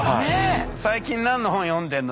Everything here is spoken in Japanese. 「最近何の本読んでんの？」